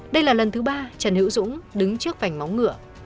đây là lần thứ ba trần hữu dũng đứng trước vảnh móng ngựa